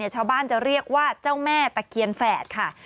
ชาวบ้านจะเรียกว่าเจ้าแม่ตะเคียนแฝดค่ะ